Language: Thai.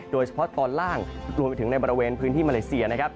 โดยเฉพาะตอนล่างรวมไปถึงในบริเวณพื้นที่มาเลเซียนะครับ